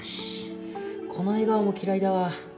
この笑顔も嫌いだわ